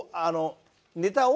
ネタを？